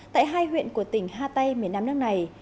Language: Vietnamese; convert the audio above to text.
tại hai huyện của tỉnh hatay miền nam nước này